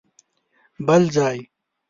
بل ځای؟!